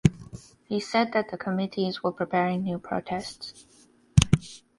He said that the committees were preparing new protests.